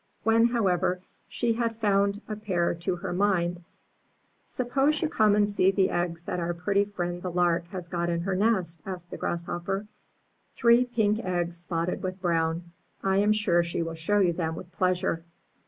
When, however, she had found a pair to her mind — '^Suppose you come and see the eggs that our pretty friend the Lark has got in her nest," asked the Grass hopper. Three pink eggs spotted with brown. I am sure she will show you them with pleasure."